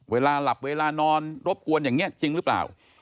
เวลาหลับเวลานอนรบกวนอย่างนี้จริงหรือเปล่า